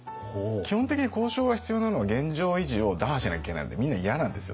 基本的に交渉が必要なのは現状維持を打破しなきゃいけないのでみんな嫌なんですよ。